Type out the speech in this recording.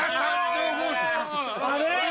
あれ？